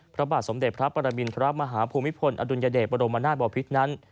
พระบาทสมเด็จพระปรมินทรมาฮภูมิพลอดุลยเดชบรมนาศบอพิษนั้น